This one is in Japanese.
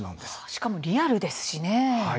しかもリアルですしね。